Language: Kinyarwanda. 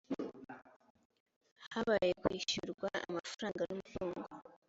habaye kwishyurwa amafaranga n `umutungo.